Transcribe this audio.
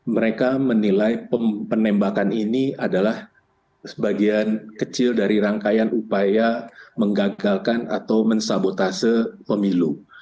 mereka menilai penembakan ini adalah sebagian kecil dari rangkaian upaya menggagalkan atau mensabotase pemilu